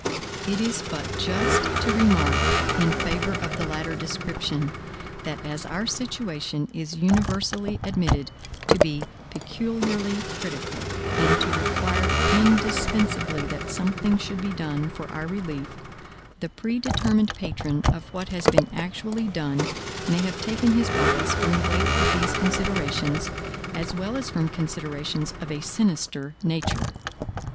It is but just to remark in favor of the latter description, that as our situation is universally admitted to be peculiarly critical, and to require indispensably that something should be done for our relief, the predetermined patron of what has been actually done may have taken his bias from the weight of these considerations, as well as from considerations of a sinister nature.